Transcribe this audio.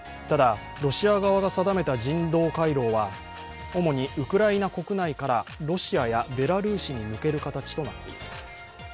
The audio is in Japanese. ただ、ロシア側が定めた人道回廊は主にウクライナ国内からロシアやベラルーシに抜ける形となっています。